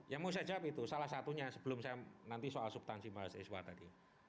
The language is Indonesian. yang mau saya jawab itu salah satunya sebelum saya nanti soal subtansi mahasiswa tadi